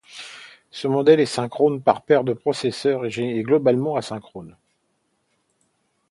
Ce modèle est synchrone par paire de processeurs et globalement asynchrone.